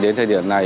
đến thời điểm này